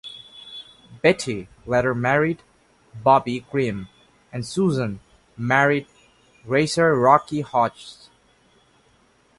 Betty later married Bobby Grim and Susan married racer Rocky Hodges.